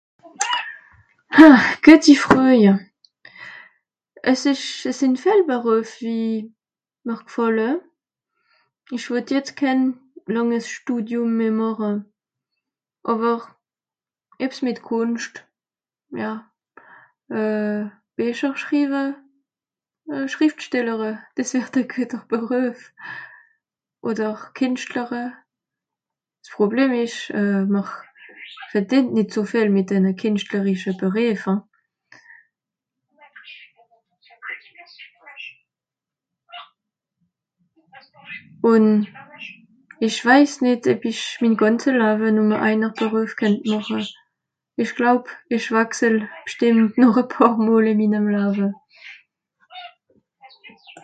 geuti freuj as esch as sìn viel bereuf wie mr g'fàlle esch wot jetz kehn lànges studium meh màche àwer ebs mìt kùnscht ja euh becher schrive schrifstellere des wärt à geuter bereuf oder kìnstlere s'problem esch euh mr verdìnt nìt so veel mìt denne kìnstlerische bereef ùn esch waiss nìt eb isch min gànze lawe numme ainer bereuf kennt màche esch glaub esch wachsel p'stìmmt à paar mol ìn minnem lawe